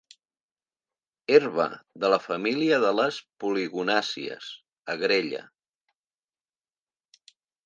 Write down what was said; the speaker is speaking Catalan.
Herba de la família de les poligonàcies, agrella.